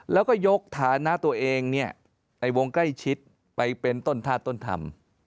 แล้วก็ยกฐานะตัวเองในวงใกล้ชิดไปเป็นต้นธาตุต้นธรรม